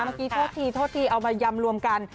เมื่อกี้โทษทีโทษทีเอามายำรวมกัน